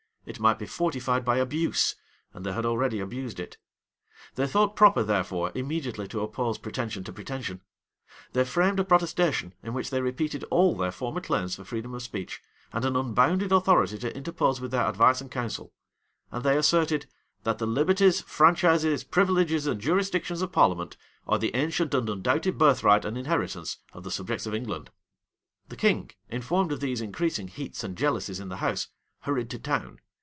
It might be fortified by abuse; and they had already abused it. They thought proper, therefore, immediately to oppose pretension to pretension. They framed a protestation, in which they repeated all their former claims for freedom of speech, and an unbounded authority to interpose with their advice and counsel. And they asserted, "That the liberties, franchises, privileges, and jurisdictions of parliament, are the ancient and undoubted birthright and inheritance of the subjects of England."[] The king, informed of these increasing heats and jealousies in the house, hurried to town.